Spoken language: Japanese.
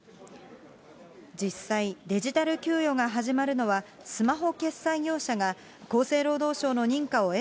実際、デジタル給与が始まるのはスマホ決済業者が厚生労働省の認可を得